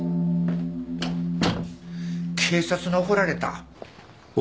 警察に怒られた。